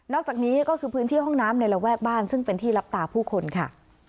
จากนี้ก็คือพื้นที่ห้องน้ำในระแวกบ้านซึ่งเป็นที่รับตาผู้คนค่ะ